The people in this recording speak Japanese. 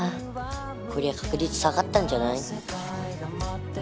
こりゃ確率下がったんじゃない？